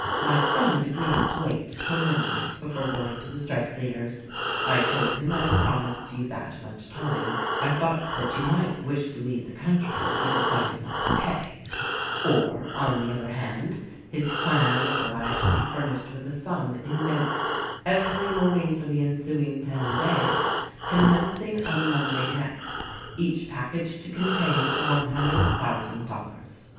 My friend agrees to wait till midnight before going to the strike leaders. I told him I had promised you that much time — I thought that you might wish to leave the country if you decided not to pay. Or, on the other hand, his plan is that I shall be furnished with a sum in notes, every morning for the ensuing ten days, commencing on Monday next ; each package to contain one hundred thousand dollars."